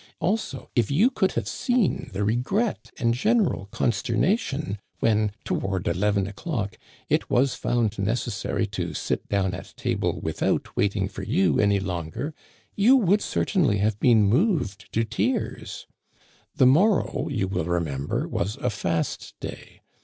Also, if you could have seen the regret and general consternation when, toward eleven o'clock, it was found necessary to Digitized by VjOOQIC 86 THE CANADIANS OF OLD. sit down at table without waiting for you any longer, you would certainly have been moved to tears. The morrow, you will remember, was a fast day.